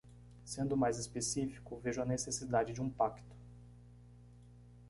Sendo mais específico, vejo a necessidade de um pacto